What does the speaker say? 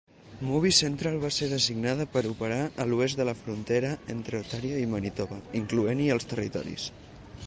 Movie Central va ser designada per operar a l'oest de la frontera entre Ontario i Manitoba, incloent-hi els territoris.